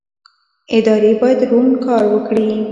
ادارې باید روڼ کار وکړي